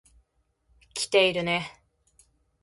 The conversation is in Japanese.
来ているね。